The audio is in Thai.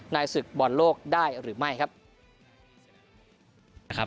ศึกบอลโลกได้หรือไม่ครับ